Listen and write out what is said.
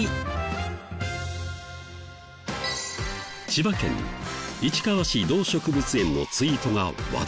千葉県市川市動植物園のツイートが話題に。